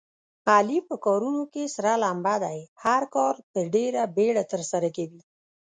علي په کارونو کې سره لمبه دی. هر کار په ډېره بیړه ترسره کوي.